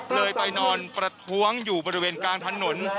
เลยไปนอนประท้วงอยู่บริเวณกลางถนน